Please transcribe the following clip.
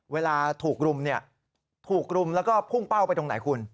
เวลาถูกรุมเนี่ยถูกรุมแล้วก็พุ่งเป้าไปตรงไหนคุณ